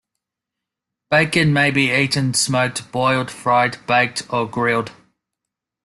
Bacon may be eaten smoked, boiled, fried, baked, or grilled.